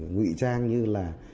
ngụy trang như là